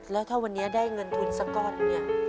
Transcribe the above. แล้วถ้าวันนี้ได้เงินทุนสะก้อนเนี่ย